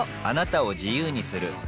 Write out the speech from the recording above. あなたを自由にする